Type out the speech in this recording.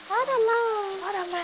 あらまあ。